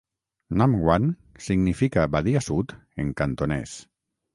"Nam Wan" significa Badia Sud en cantonès.